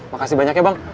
makasih banyak ya bang